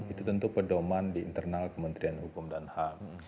itu tentu pedoman di internal kementerian hukum dan ham